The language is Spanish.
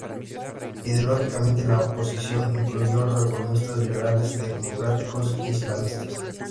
Ideológicamente, la oposición incluyó reformistas liberales democráticos e islamistas.